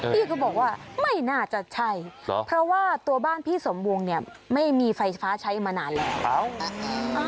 พี่ก็บอกว่าไม่น่าจะใช่เพราะว่าตัวบ้านพี่สมวงเนี่ยไม่มีไฟฟ้าใช้มานานแล้ว